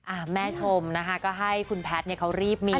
อ่าแม่ชมนะคะก็ให้คุณแพทย์เขารีบมี